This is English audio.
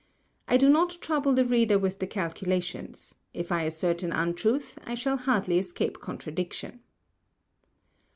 I do not trouble the Reader with the Calculations: If I assert an Untruth, I shall hardly escape Contradiction.